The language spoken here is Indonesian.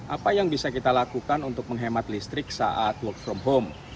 apa yang bisa kita lakukan untuk menghemat listrik saat work from home